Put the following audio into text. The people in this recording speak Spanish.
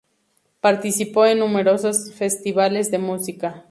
Participó en numerosos festivales de música.